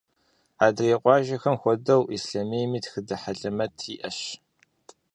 Адрей къуажэхэм хуэдэу, Ислъэмейми тхыдэ хьэлэмэт иӏэщ.